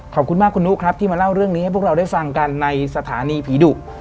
ขอบคุณมากคุณนุครับที่มาเล่าเรื่องนี้ให้พวกเราได้ฟังกันในสถานีผีดุ